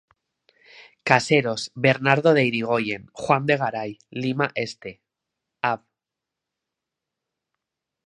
Caseros, Bernardo de Irigoyen, Juan de Garay, Lima Este, Av.